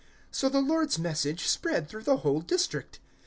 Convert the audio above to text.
013:049 So the Lord's Message spread through the whole district.